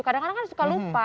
kadang kadang kan suka lupa